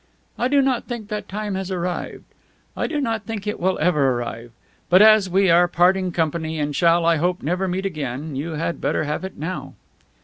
I do not think that time has arrived. I do not think it will ever arrive. But as we are parting company and shall, I hope, never meet again, you had better have it now."